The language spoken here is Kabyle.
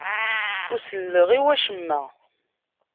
Ur selleɣ i wacemma.